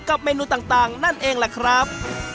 กับเมนูต่างนั่นเองล่ะครับ